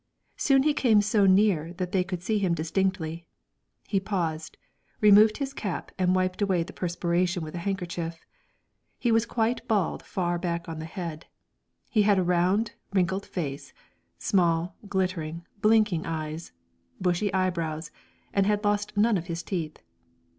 Soon he came so near that they could see him distinctly; he paused, removed his cap and wiped away the perspiration with a handkerchief. He was quite bald far back on the head; he had a round, wrinkled face, small, glittering, blinking eyes, bushy eyebrows, and had lost none of his teeth.